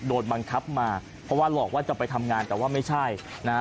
โดนบังคับมาเพราะว่าหลอกว่าจะไปทำงานแต่ว่าไม่ใช่นะฮะ